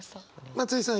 松居さん